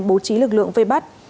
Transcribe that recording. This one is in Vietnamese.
bố trí lực lượng về bắt